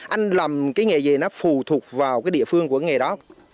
anh làm cái nghề gì nó phù thuộc vào cái địa phương của nghề đó